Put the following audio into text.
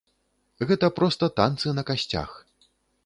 Гэта проста танцы на касцях.